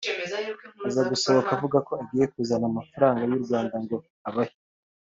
aza gusohoka avuga ko agiye kuzana amafaranga y’u Rwanda ngo abahe